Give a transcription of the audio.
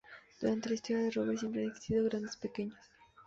Durante la historia de Rover siempre han existido "grandes pequeños".